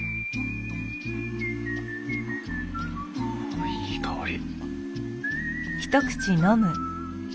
あいい香り。